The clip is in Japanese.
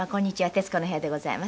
『徹子の部屋』でございます。